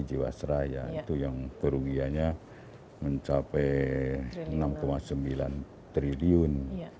jawa seraya itu yang kerugiannya mencapai enam sembilan triliun